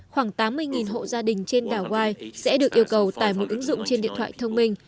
khoảng tám mươi hộ gia đình trên đảo wise sẽ được yêu cầu tải một ứng dụng trên điện thoại thông minh